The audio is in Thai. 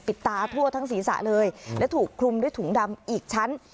ตาทั่วทั้งศีรษะเลยและถูกคลุมด้วยถุงดำอีกชั้น